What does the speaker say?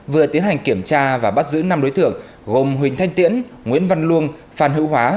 vừa tiến hành kiểm tra và bắt giữ năm đối tượng gồm huỳnh thanh tiễn nguyễn văn luông phan hữu hóa